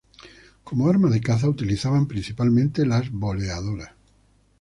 Como arma de caza utilizaban principalmente las boleadoras.